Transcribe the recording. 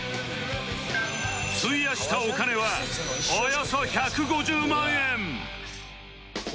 費やしたお金はおよそ１５０万円！